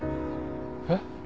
えっ？